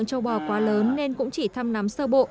châu bò quá lớn nên cũng chỉ thăm nắm sơ bộ